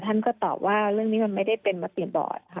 ท่านก็ตอบว่าเรื่องนี้มันไม่ได้เป็นมติบอร์ดค่ะ